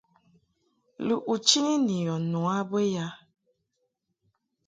Lɨʼ u chini ni yɔ nu a bə ya ?